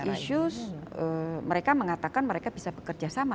isu kemasa mereka mengatakan mereka bisa bekerja sama